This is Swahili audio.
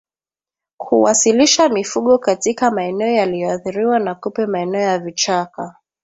Kuwalisha mifugo katika maeneo yaliyoathiriwa na kupe maeneo ya vichaka